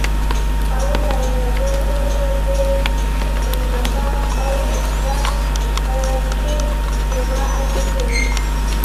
خاوند او ميرمن به په حيض، نفاس او احرام کي جماع نکوي